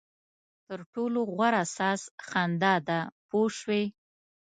تر ټولو غوره ساز خندا ده پوه شوې!.